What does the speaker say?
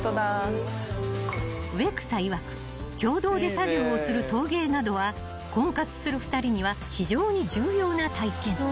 ［植草いわく共同で作業をする陶芸などは婚活する２人には非常に重要な体験］